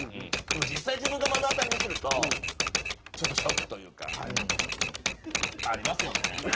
でも実際自分が目の当たりにするとちょっとショックというか。